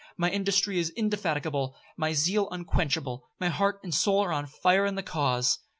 My industry is indefatigable, my zeal unquenchable, my heart and soul are on fire in the cause.